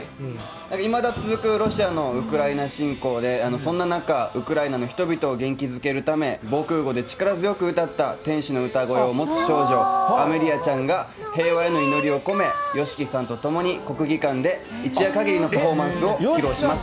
いまだ続くロシアのウクライナ侵攻で、そんな中、ウクライナの人々を元気づけるため、防空ごうで力強く歌った天使の歌声を持つ少女、ちゃんが平和への祈りを込め、ＹＯＳＨＩＫＩさんと共に、国技館で一夜限りのパフォーマンスをします。